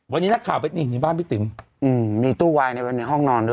วันนี้นักข่าวไปนี่บ้านพี่ติ๋มมีตู้วายในห้องนอนด้วย